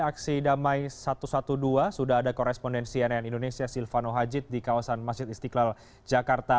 aksi damai satu ratus dua belas sudah ada korespondensi nn indonesia silvano hajid di kawasan masjid istiqlal jakarta